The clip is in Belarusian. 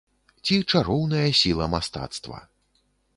Ці чароўная сіла мастацтва.